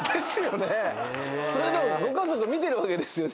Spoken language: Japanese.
それでもご家族見てるわけですよね。